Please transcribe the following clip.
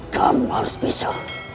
kamu harus bisa